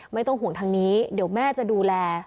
ไม่ต้องห่วงทางนี้เดี๋ยวแม่จะดูแล